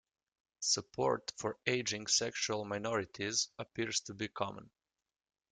Support for aging sexual minorities appears to be common.